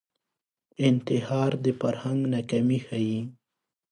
انتحار د فرهنګ ناکامي ښيي